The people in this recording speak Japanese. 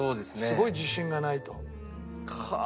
すごい自信がないと。